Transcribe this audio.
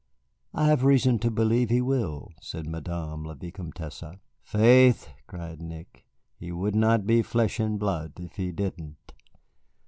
"I have reason to believe he will," said Madame la Vicomtesse. "Faith," cried Nick, "he would not be flesh and blood if he didn't."